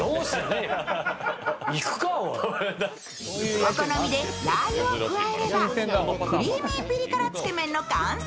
お好みでラー油を加えれば、クリーミーピリ辛つけ麺の完成。